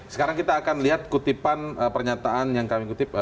sekarang kita akan lihat kutipan pernyataan yang kami kutip